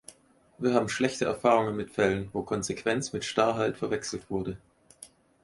Wir haben schlechte Erfahrungen mit Fällen, wo Konsequenz mit Starrheit verwechselt wurde.